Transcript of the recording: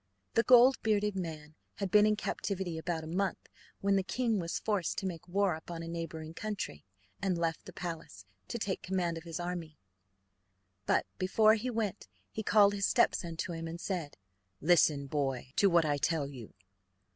The gold bearded man had been in captivity about a month, when the king was forced to make war upon a neighbouring country, and left the palace, to take command of his army. But before he went he called his stepson to him and said: "Listen, boy, to what I tell you.